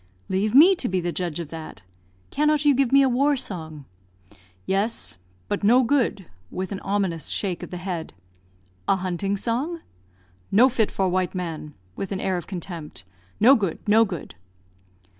"Leave me to be the judge of that. Cannot you give me a war song?" "Yes, but no good," with an ominous shake of the head. "A hunting song?" "No fit for white man," with an air of contempt. "No good, no good!"